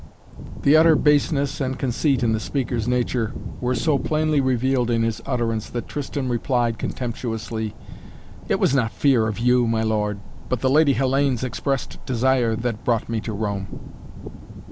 The utter baseness and conceit in the speaker's nature were so plainly revealed in his utterance that Tristan replied contemptuously: "It was not fear of you, my lord, but the Lady Hellayne's expressed desire that brought me to Rome."